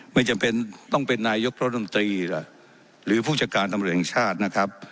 ไม่จำเป็นต้องเป็นนายกรัฐมนตรีล่ะหรือผู้จัดการตำรวจแห่งชาตินะครับ